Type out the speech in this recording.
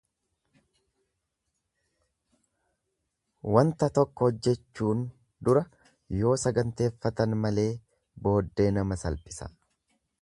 Wanta tokko hojjechuun dura yoo saganteeffatan malee booddee nama salphisa.